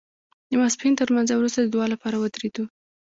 د ماسپښین تر لمانځه وروسته د دعا لپاره ودرېدو.